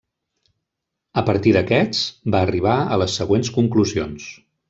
A partir d'aquests va arribar a les següents conclusions.